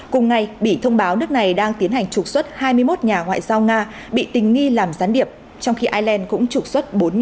cùng ngày bị thông báo nước này đang tiến hành trục xuất hai mươi một nhà ngoại giao nga bị tình nghi làm gián điệp trong khi ireland cũng trục xuất bốn nhà ngoại giao nga